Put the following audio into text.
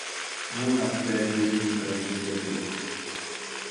بۇ ھەقتە بىر ھېكايە سۆزلەپ بېرەي.